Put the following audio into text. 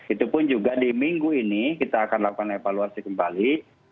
itu pun juga di minggu ini kita akan lakukan evaluasi kembali